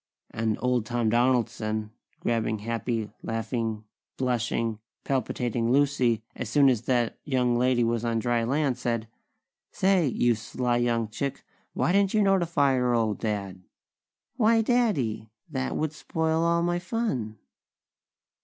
And Old Tom Donaldson, grabbing happy, laughing, blushing, palpitating Lucy as soon as that young lady was on dry land, said: "Say! You sly young chick! Why didn't you notify your old Dad?" "Why, Daddy! That would spoil all my fun!"